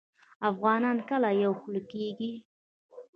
افغانان کله یوه خوله کیږي؟